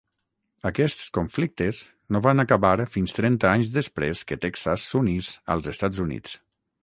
Aquests conflictes no van acabar fins trenta anys després que Texas s'unís als Estats Units.